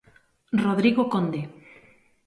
Rodrigo Conde.